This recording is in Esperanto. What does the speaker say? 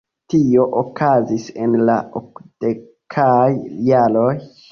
Tio okazis en la okdekaj jaroj.